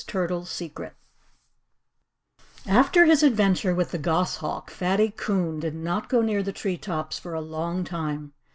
TURTLE'S SECRET After his adventure with the goshawk Fatty Coon did not go near the tree tops for a long time.